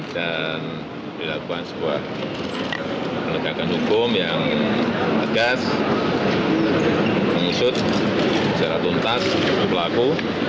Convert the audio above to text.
dilakukan sebuah penegakan hukum yang tegas mengusut secara tuntas pelaku